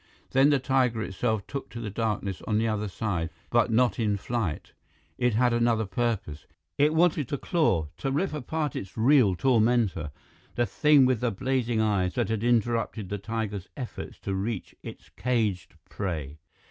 Then the tiger itself took to the darkness on the other side, but not in flight. It had another purpose. It wanted to claw, to rip apart its real tormentor, the thing with the blazing eyes that had interrupted the tiger's efforts to reach its caged prey.